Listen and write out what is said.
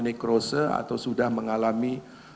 nekrose atau sudah mengalami